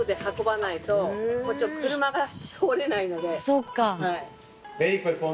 そっか。